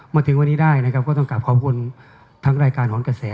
มาถึงวันนี้ได้นะครับก็ต้องกลับขอบคุณทั้งรายการหอนกระแส